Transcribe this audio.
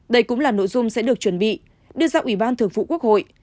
đây cũng là nội dung sẽ được chuẩn bị đưa ra ủy ban thường vụ quốc hội